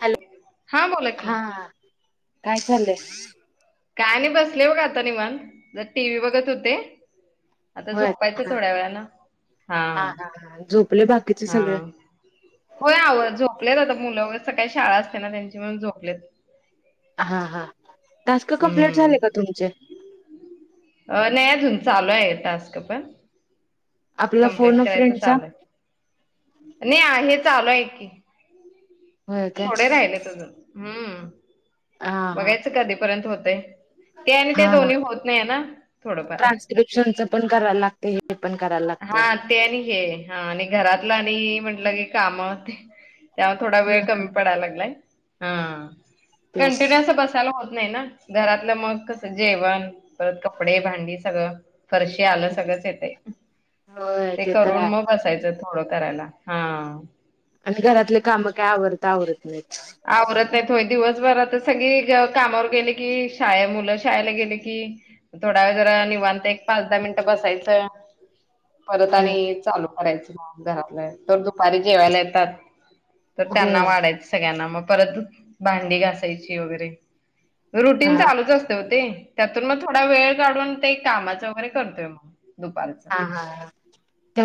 Hello हां बोला की, हा काय चालंय. काय नाही बसले बघ आता निवांत, जरा टी व्ही बघत होते. आता होय झोपायचं हा थोड्या वेळान, हा.. हा झोपले बाकीचे हा.. सगळे होय आव झोपलेत आता. मुलं वगैरे‌ सकाळी शाळा असते, त्यांची म्हणून झोपलेत. हा हा. टास्क कंप्लीट हम्म झाले का तुमचे अ नाही अजून चालू आहेत. टास्क पण, आपला कंप्लीट फोन अ करायच फ्रेंडचा चालूय, नाही आहेत. चालू आहे की, होय काय थोडे राहिलेत अजून, हम्म हा हा बघायचं कधीपर्यंत होतय, ते आणि ते हा हा दोन्ही होत नाही ना थोडंफार ट्रान्स्क्रिप्शनच पण करायला लागते हे पण करायला हा लागतय ते आणि हे, हा. आणि घरातलं आणि म्हटलं की काम ते त्यामुळे थोडा वेळ कमी पडाला लागलाय. हा. तेच कंटिन्यू असं, बसायला होत नाही ना. घरातलं मग कस, जेवण परत कपडे भांडी सगळं फरशी आलं सगळंच येतेय. होय ते तर करून आहे मग बसायचं. थोडं करायला हा आणि घरातले काम काय आवरता आवरत नाही. आवरत नाही होय दिवसभर आता सगळी कामावर गेले की शाळे मुलं शाळेला गेले कि थोडा वेळ जरा निवांत एक पाच दहा मिनिटं बसायचं. परत होय आणि चालू करायच घरात तर दुपारी जेवायला येतात. तर त्यांना होय वाढायचं पुन्हा म परत भांडी घासायची वगैरे रुटीन हा चालूच असतय वो ते त्यातून मग थोडा वेळ काढून ते कामाच वगैरे करतोय मग दुपारचं हा हा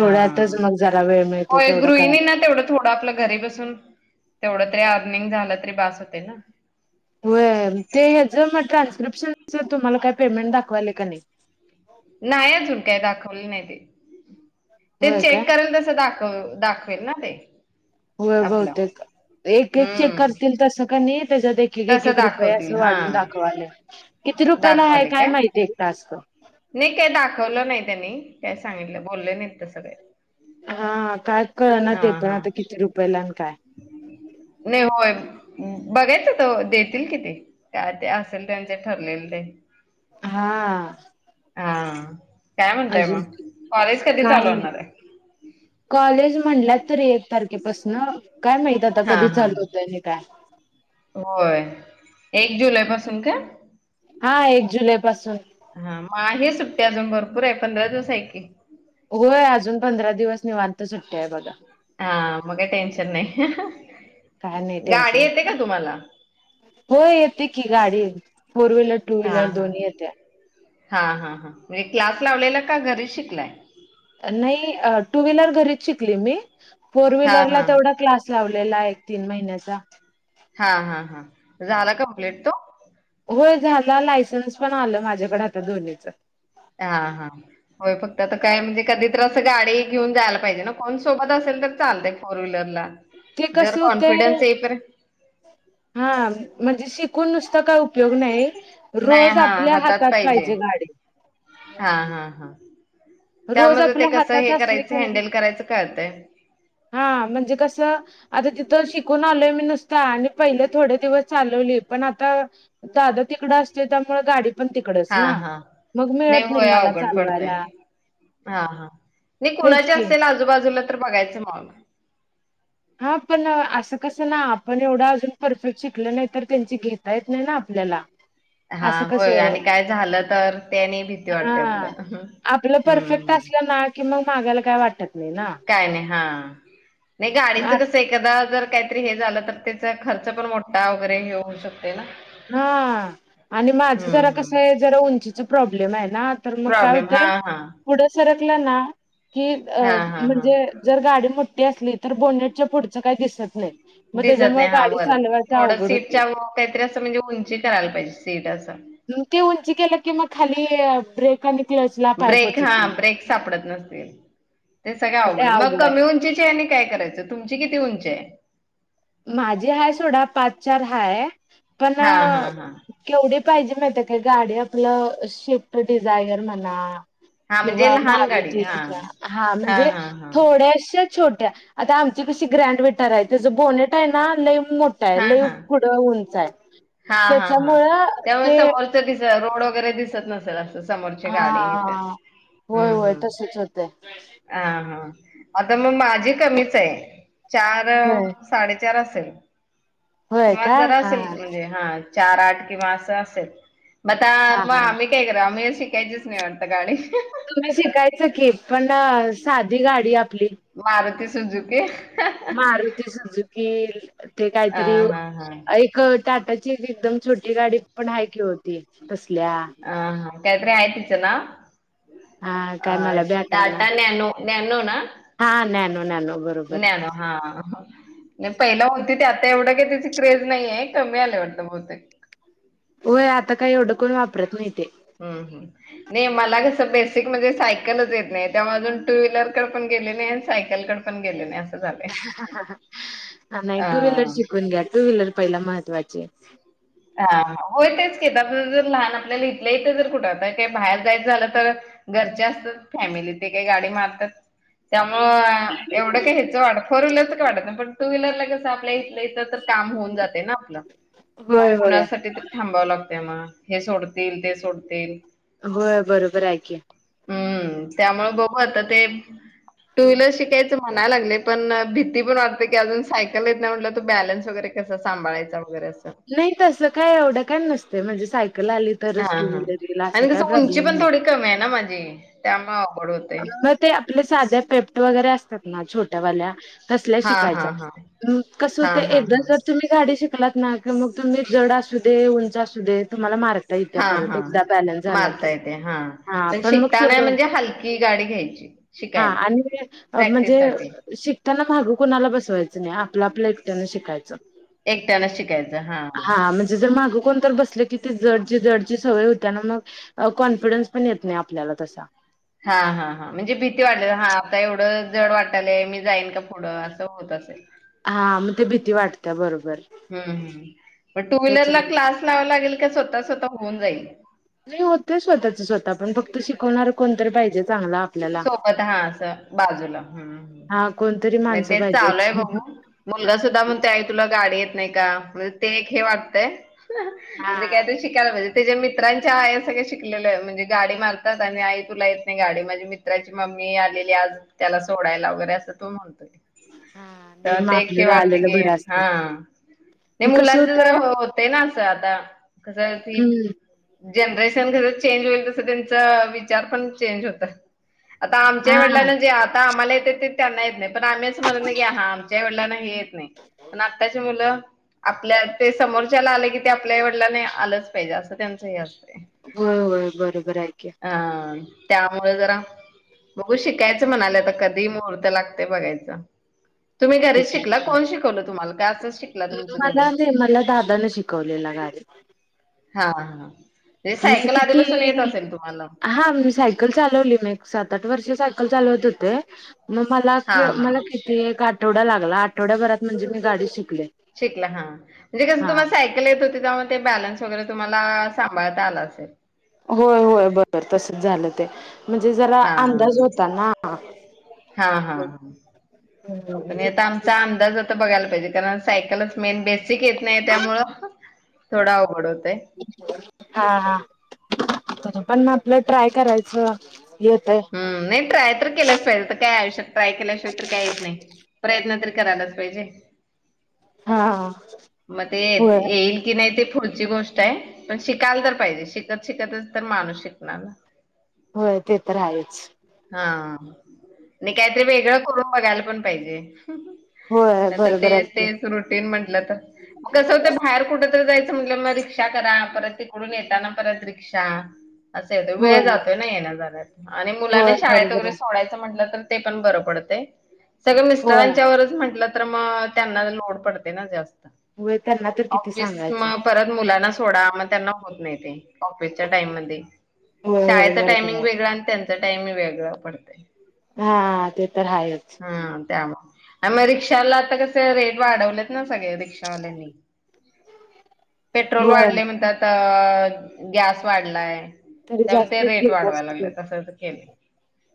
हा मग जरा वेळ मिळते थोड करायला. थोडा आपल्या घरी बसून तेवढं अर्निंग झाल तरी बास होतय ना. व्हय ते ह्याच मग ट्रान्स्क्रिप्शन च‌ तुम्हाला काय पेमेंट दाखवायल का नाही. नाही अजून काय दाखवलं नाय ते. ते होय काय चेक करून तसं दाख ख दाखवेल ना ते. व्हय आपलं बहुतेक एक एक चेक हम्म करतील तसं कणी त्याच्यात एक एक तसं एक रुपये अस दाखवतील हा वाढून दाखवाले. किती रुपयाला आहे काय माहिती एक टास्क. नाही काय दाखवलं नाही त्यांनी, काय सांगितलं बोलले नाहीत तसं काय. हा काय कळ ना हा ते पण हा आता किती रुपयेला अन् काय? नाही होय बघायचं त देतील किती काय ते असेल त्यांचे ठरलेल ते हा आ काय म्हणताय अजून मग, कॉलेज कधी काय चालू होणार आहे? म्हणाल्यात तरी एक तारखेपासन काय माहित आता हा कधी हा चालु होतय आणि काय? होय एक जुलै पासून का? हा एक जुलै पासून. हा मग आहे. सुट्टी अजून भरपूर आहे. पंधरा दिवस हाय की. होय अजून पंधरा दिवस निवांत सुट्टी आहे बघा. हा मग टेन्शन नाही. काय नाही गाडी टेन्शन येते का तुम्हाला? होय येते की गाडी फोर व्हीलर, टू हा व्हीलर हा दोन्ही येत्या. हा हा हा म्हणजे क्लास लावलेला का घरीच शिकलाय? नाही टू व्हीलर घरीच शिकली मी फोर हा व्हीलरला हा तेवढा क्लास लावलेला आहे, तीन महि सा हा हा हा झाला कम्पलेट तो? होय झालं लायसन्स पण आलं माझ्याकडे आता दोन्हीच. हा हा होय फक्त आता काय म्हणजे कधीत असं गाडी घेऊन जायला पाहिजे, ना कोण सोबत असेल तर चालत फोर व्हीलरला. ते कस जर होते, कॉन्फिडन्स येईपर्यंत हा म्हणजे शिकून नुसते चा काय उपयोग नाही. रोज आपल्या हातात पाहिजे गाडी. हा हा हा रोज त्यामध्ये ते आपल्या कसं हातात हे असली करायचं कणी, हँडल करायचं कळतंय. हा म्हणजे कस आता तिथ शिकून आलोय मी नुसता आणि पहिले थोडे दिवस चालवले. पण आता दादा तिकड असते त्यामुळे गाडी पण तिकडच हा ना हा मग मिळत नाही होय मला अवघड पडतंय. चालवायला. हा हा. नाही तेच कोणाचे की असेल आजूबाजू तर बघायचं मग हा पण असं कसं ना आपण एवढं अजून परफेक्ट शिकल नाही, तर त्यांची घेता येत नाही ना आपल्याला हा असं होय कसं आणि काय झालं तर त्यानी भीती हा वाटते. आपलं आपलं हम्म परफेक्ट हम्. असलं ना की मग मागायला काय वाट काय नाही हा नाय ग च मा- कस काहीतरी हे झालं तर तेचा खर्च पण मोठा वगैरे हे होऊ शकत. हा आणि माझं हम्म जरा कस हम्म आहे जरा उंची प्रॉब्लेम आहे. ना तर मग काय प्रॉब्लेम हा होतंय हा पुढं सर रकला ना कि अ हा हा हा म्हणजे जर गाडी म ती असली तर बोलन्याच्या पुढचं काही दिसत नाही. मग दिसत त्याच्यामुळे नाही हा गाडी वर चालवायच थोडं अवघड होते सीटच्या व [inaudible] काहीतरी म्हणजे उंची करायला पाहिजे सीट असं. म ते उंचि केल कि मग खाली ब्रेक आणि क्लचला पाय ब्रेक पोचत हा नाही ब्रेक सापडत नसतील. ते सगळ लय आवघड मग अवघड आहे कमी उंचीचे आणि काय करायचं. तुमची किती उंची आहे? माझी हायसोडा पाच चार हाय. पण हा हा हा केवढे पाहिजे माहित आहे काय गाडी आपलं शिफ्ट डिझायर म्हणा हा म्हणजे किंवा लहान गाडी माझ हा हा म्हणजे हा हा थोड्याशा छोट्या आता आमची कशी ग्रँड विटार आहे त बो आहे ना लय मोठा आहे हा लेय हा पुढं उंच आहे हां हां हां. त्याच्यामुळ त्यामुळे ते समोरचं दिस रोड वगैरे दिसत नसल असं समोरची गाडी हे ते. हा... हं होय होय हं. तसच होतय. हां हां. आता मग माझी कमीच आहे. चार, होय साडेचार चार असेल होय किंवा का जरा हा असेल म्हणजे हा. चार, आठ किंवा असं असेल मग आता हा म आम्ही काय? कराव? आम्ही काय शिकलेल त्याचीच [unintelligible] [inaudible] [inaudible] तुम्ही शिकायचं [inaudible] की पण साधी गाडी आप मारतीस [unintelligible] झुकी मारुती सुझुकी ते काहीतरी हां हां हां. ऐक टाटाची एक एकदम छोटी गाडी पण आहे की ओ ती. तसल्या ह हा काय तरी हाय तीच नाव. हा अ काय मला बी आठवना टाटा नॅनो नॅनो ना, हा [inaudible] नॅनो हा हा पहिलं होती ते आता एवढं का त्याची क्रेज नाहीये कमी आले वाटत बहुतेक. होय आता काही एवढं कोण वापरत नाही ते ह नाही मला कसं बेसिक म्हणजे सायकलच येत नाही तेव्हा अजून टू व्हीलरकड पण गेले नाही आणि सायकलकड पण गेले नाई अस ह नाही टू व्हीलर अं, शिकवून घ्या टू व्हीलर. पहिला महत्त्वाची आहे हा होय तेच कि आता ज लहान आपल्याला इथलं इथं जर कुठ आ का बाहेर जायचं झाल. तर घरचे असतात. फॅमिली ते काही गाडी मारतात त्या. होय एवढं काही ह्याचं वाटत फोर व्हीलरच का वाढत नाही पण टू व्हीलर लगच आपल्या इथल्या इथं तर काम होऊन जातय ना आपलं. मग होय होय कोणासाठी? थांबावं लागतंय मग. हे सोडतील ते सोडतील. होय बरोबर हाय की, हम्म त्यामुळे बघू आता ते टू व्हीलर शिकायचं म्हणायला लागले पण, भीती पण वाटते की अजून सायकल येत नाही, म्हटलं तू बॅलनस वगैरे कसं सांभाळायचा. वगैरे असं. तसंल काय एवढं काय नसतय. म्हणजे साय हा हा आणि कस उंची प्रॉब्लेम पण नाही थोडी कमी आहे ना माझी त्यामुळं. मग ते आपल्या साध्या पेप वगैरे अस असतात ना छोट्यावाल्या. तसल्या हा हा हा शिकायचाय कसं हा हुतेय हा एकदा हा जर तुम्ही गाडी शी ना मग तुम्ही जड असू दे उंच असू दे तुम्हाला मार हा हा मारता येते हा पण शिकताना म्हणजे हलकी गाडी घ्यायची हा शिकायला आणि प्रॅक्टिस म्हणजे साठी शिकताना माग कोणाला बसवायच नाही आपल आपल्या एकट्याना शिकायच एकट्यानं शिकायचं हा म्हणजे जर माग कोण तर बस तिथं जडची जडची सवय होते ना मग कॉन्फिडन्स पण येत नाही आपल्याला तसा. हा हा हां म्हणजे भीती वाटालय हा आता एवढं जड वाटालंय मी जाईन का पुढं असं होत असेल. हा मग ते भीती वाटते बरोबर हम्म हम्म पण टू व्हीलर ला त्याच्या क्लास लावा लागेल ते स्वतः स्वतः होऊन जाईल. नाही होतेयं स्वतःच स्वतः पण फक्त शिकवणार कोणतरी पाहिजेत. सोबत हा अस बाजूला हम्म हम्म हा कोणतरी नाही माणसं तेच चालू पाहिजेत हाय बघू मुलगा सुद्धा म्हणतोय आई तुला गाडीे नाही का मग ते हे वाटतय. हा जे काय ते शिकायला पाहिजे. त्याच्या मित्रांच्या आया सगळ्या शिकलेलं आहे म्हणजे गाडी मारतात आणि आई तुला येत नाही गाडी माझे मिव मित्राची मम्मी आलेली आज त्याला सोडायला वगैरे असं तो म्हणतोय. नाही तेव्हा मग ते हे एक आपल्याला वाटतंय आलेलं की बरं असत हा न‌ई कसं मुलांचे होतय जरा होतेय ना. सफाया. कस हाय ती हम्म जनरेशन घरी चेंज होईल तसं त्यांच विचार पण चेंज होत. आता आमच्या हा वडिलांना जे आता आम्हाला येत ते त्यांना येत नाहीेत. पण आम्ही असं म्हणत नाही की हा आमच्या वडिलांना हे येत नाही पण आत्ताची मुलं आपल्या ते समोरच्याला आले की ते आपल्या आई वडिलांना आलंच पाहिजे असं त्यांच हे असतं. होय होय बरोबर आहे की. त्यामुळे जरा बघू शिकायचं म्हणाले आता कधी मुहूर्त लागतय बघायचं. तुम्ही घरीच शिकला शिकायचं कोण शिकवलं तुम्हाला? त्याचंच मला ते मला दादानं शिकवलेला [unintelligible] हां हां. मी किती हां मी सायकल चालवली मी एक सात आठ वर्ष सायकल चालवत होते. मग मला हा क हा मला किती एक आ ठवडा लागला आठवड्याभरात म्हणजे मी गाडी शिक शिकला हां म्हणजे कसं तुम्हाला सायकल येत होती त्यामुळं ते बॅलन्स वगैरे तुम्हाला सांभाळता आलं असेल. होय होय बरोबर तसंच झालं ते. म्हणजे जरा हा अंदाज होता ना हा हा हा [unintelligible] त बघायला पाहिजे कारण सायकलच मेन बे सिक येत नाही त्यामुळं थोडं अवघड हो हां हां. [unintelligible] पण आपलं ट्राय करायचं येतय हम्म नाही ट्राय तर केलंच पाहिजे, तर काय आयुष्यात ट्राय केल्याशिवाय तर काय येत नाही. प्रयत्न तर करायलाच पाहिजे. हा मग ते होय येईल की नाही ते पु ढची गोष्ट आहे. पण शिकायला तर पाहिजे शिकत शिकतच तर माणूस शिकणार ना? होय ते तर आहेच. हां आणि काहीतरी वेगळं करून बघायला पण पाहिजे. होय नाहीये बरोबर तेच आहे की तेच रुटीन म्हंटलं तर कसं होतंय बाहेर कुठंतरी जाय च म्हणलं म रिक्षा करा परत तिकडून येताना परत रिक्षा. असं येतंय होय वेळ जातोय ना येण्या जाण्यात आणि मुलाने होय बरोबर [unintelligible] आहे सोडायचं म्हणलं तर ते पण बरं पडतंय. सगळं होय मिस्टरांच्या वरच म्हटलं तर म त्यांना लोड पडतंय ना जास्त. होय त्यांना तर किती [unintelligible] सांगायचं म परत मुलांना थोडा मग त्यांना होत नाही ते. ऑफिसच्या टाइम मध्ये होय होय शाळेचा बरोबर टायमिंग आहे वेगळा आणि त्यांच टाईम वेग ळं पडतंय. हा ते तर हायच! त्यामुळ आम रिक्षाला आता कस रेट वाढवलेत ना सगळे. रिक्षावाल्यांनी पेट्रोल होय वाढलय म्हणतात! अ गॅस वाढलाय! तरी त्यामुळे ते जास्त रेट घेत वाढवायला लागले असतील असं असं केलं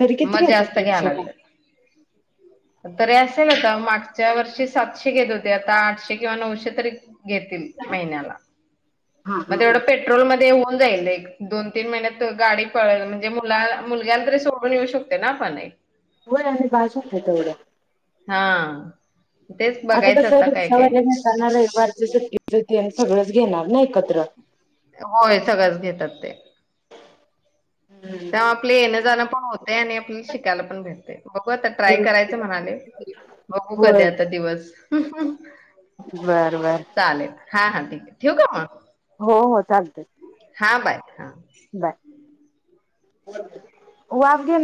तरी किती मग घेतात जास्त रिक्षाला घ्यालागलेत तरी असेल आता मागच्या वर्षी सातशे घेत होते, आता आठशे किंवा नऊशे तरी घेतील महिन्याला हा हा मग तेवढं हा पेट्रोलमध्ये जाईल एक दोन तीन महिन्यात गाडी पळल म्हणजे, मु मुलग्याला तरी सोडून येऊ शकते ना आपण एक होय आणि बास होते तेवढं. हां. आता तस रिक्षा नेताना रविवारची सुट्टी च ते आहे सगळंच घेणार ना एकत्र? होय सगळंच घेतात ते. हम्म. तवा आपले येन जाण पण होते आणि आपल्याला शिकायला पण भेटते. बघू आता ट्राय करायचं म्हणाले, बघू कधी होय. आता दिवस बर बर चालेल हा हां. ठेव का मग! हो हो चालतय. हा बाय! हा. वास घेणा